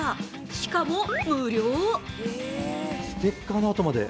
しかも、無料！